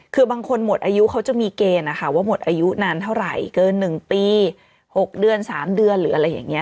คือบางคนหมดอายุเขาจะมีเกณฑ์นะคะว่าหมดอายุนานเท่าไหร่เกิน๑ปี๖เดือน๓เดือนหรืออะไรอย่างนี้